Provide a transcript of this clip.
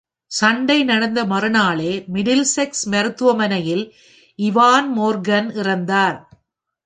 சண்டை நடந்த மறுநாளே மிடில்செக்ஸ் மருத்துவமனையில் இவான் மோர்கன் இறந்தார்.